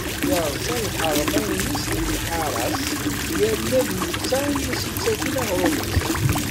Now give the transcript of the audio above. Yeṛẓa lḥerma-ines deg lḥara-s yerna d netta i as-yettakken aɣṛum-is.